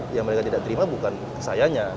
yang mereka tidak terima bukan kesayanya